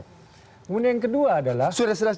kemudian yang kedua adalah